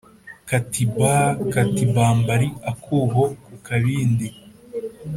Kati baaaa, kati bambari-Akuho ku kabindi.